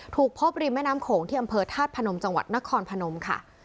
ถูกพบริมแม่น้ำโขงที่อำเภอธาตุพนมจังหวัดนครพนมค่ะ